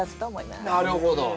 なるほど。